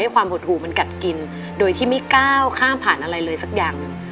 ความหดหูมันกัดกินโดยที่ไม่ก้าวข้ามผ่านอะไรเลยสักอย่างหนึ่ง